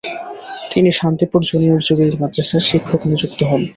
তিনি Shantipur junior jubilee মাদ্রাসার শিক্ষক নিযুক্ত হন।